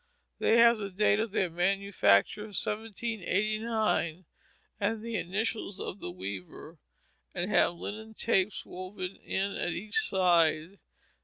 They have the date of their manufacture, 1789, and the initials of the weaver, and have linen tapes woven in at each side.